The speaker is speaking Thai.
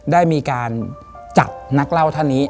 ได้มีการจับนักเล่าท่านนี้